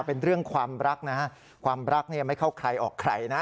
เป็นเรื่องความรักนะฮะความรักเนี่ยไม่เข้าใครออกใครนะ